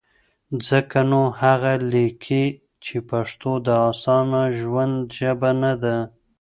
ځکه نو هغه لیکي، چې پښتو د اسانه ژوند ژبه نه ده؛